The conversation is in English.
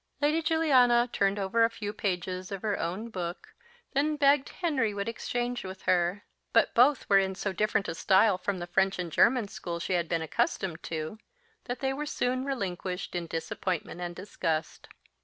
Lady Juliana turned over a few pages of her own book, then begged Henry would exchange with her; but both were in so different a style from the French and German school she had been accustomed to, that they were soon relinquished in disappointment and disgust.